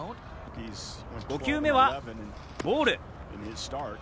５球目はボール。